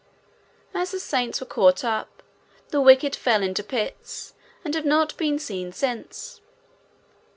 As the saints were caught up, the wicked fell into pits and have not been seen since.